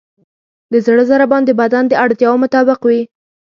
د زړه ضربان د بدن د اړتیاوو مطابق وي.